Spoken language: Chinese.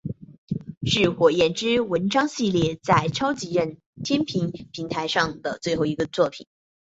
是火焰之纹章系列在超级任天堂平台上的最后一部作品。